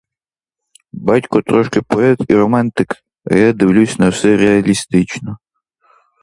Батько трошки поет і романтик, а я дивлюсь на все реалістично.